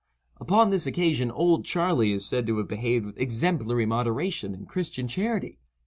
Upon this occasion "Old Charley" is said to have behaved with exemplary moderation and Christian charity.